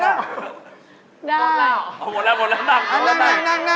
เก็บบอลเห่ย